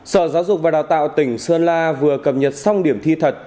sở giáo dục và đào tạo tỉnh sơn la vừa cập nhật xong điểm thi thật